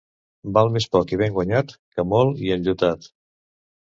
Val més poc i ben guanyat que molt i enllotat.